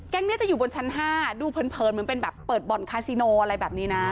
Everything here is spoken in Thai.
นี้จะอยู่บนชั้น๕ดูเผินเหมือนเป็นแบบเปิดบ่อนคาซิโนอะไรแบบนี้นะ